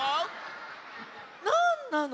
なんなの！